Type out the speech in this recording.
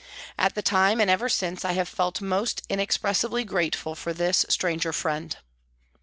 At the time and ever since I have felt most inexpressibly grateful to this stranger friend.